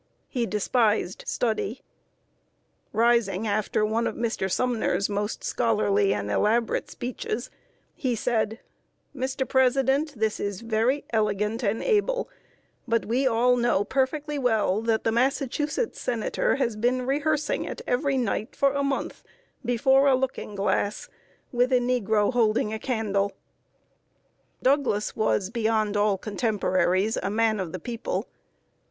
He despised study. Rising after one of Mr. Sumner's most scholarly and elaborate speeches, he said: "Mr. President, this is very elegant and able, but we all know perfectly well that the Massachusetts Senator has been rehearsing it every night for a month, before a looking glass, with a negro holding a candle!" [Sidenote: HIS GREAT CANVASS WITH DOUGLAS.] Douglas was, beyond all cotemporaries, a man of the people.